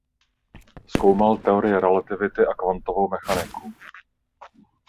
Zkoumal teorii relativity a kvantovou mechaniku.